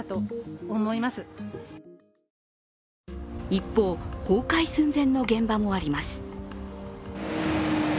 一方、崩壊寸前の現場もあります